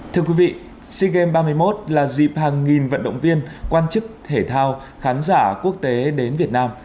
thưa quý vị sea games ba mươi một là dịp hàng nghìn vận động viên quan chức thể thao khán giả quốc tế đến việt nam